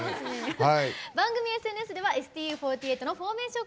番組ＳＮＳではＳＴＵ４８のフォーメーション